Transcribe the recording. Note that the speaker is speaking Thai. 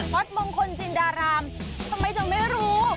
วัดมงคลจินดารามทำไมจะไม่รู้